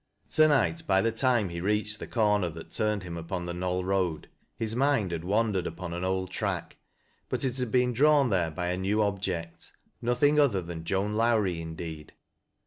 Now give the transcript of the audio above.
To night by the time he reached the corner that turned him upon the Knoll Road, his mind had wandered upon an old track, but it had been drawn there by a new ob ject, — nothing other than Joan Lowrie, indeed.